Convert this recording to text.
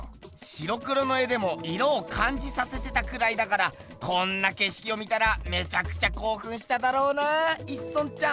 白黒の絵でも色をかんじさせてたくらいだからこんなけしきを見たらめちゃくちゃこうふんしただろうな一村ちゃん。